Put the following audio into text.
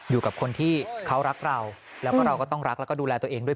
อยู่กับคนที่เขารักเราแล้วก็เราก็ต้องรักแล้วก็ดูแลตัวเองด้วย